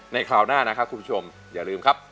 คราวหน้านะครับคุณผู้ชมอย่าลืมครับ